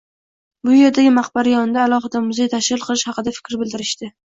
Bu yerdagi maqbara yonida alohida muzey tashkil qilish haqida fikr bildirishdi.